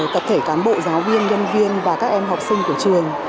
tập thể cán bộ giáo viên nhân viên và các em học sinh của trường